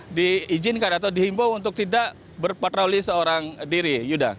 jadi diizinkan atau dihimbau untuk tidak berpatroli seorang diri